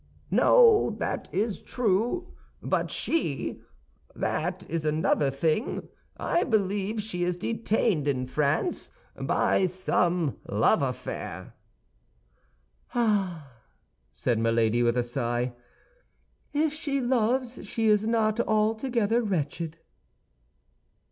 "No, that is true; but she—that is another thing; I believe she is detained in France by some love affair." "Ah," said Milady, with a sigh, "if she loves she is not altogether wretched."